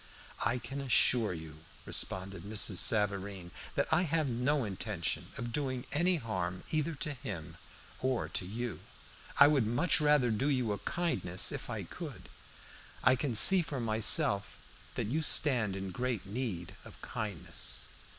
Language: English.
"I can assure you," responded Mrs. Savareen, "that I have no intention of doing any harm either to him or to you. I would much rather do you a kindness, if I could. I can see for myself that you stand in great need of kindness."